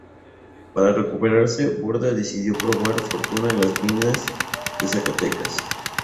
Para recuperarse, Borda decidió probar fortuna en las minas de Zacatecas.